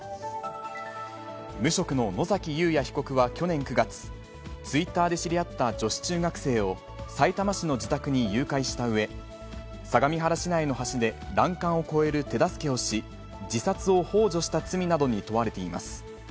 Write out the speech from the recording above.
無職の野崎祐也被告は去年９月、ツイッターで知り合った女子中学生をさいたま市の自宅に誘拐したうえ、相模原市内の橋で欄干を越える手助けをし、自殺をほう助した罪などに問われています。